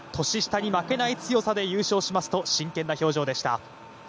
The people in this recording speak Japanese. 年下に負けない強さで優勝しますと真剣な表情でした。